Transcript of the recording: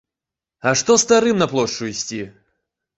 А што старым на плошчу ісці?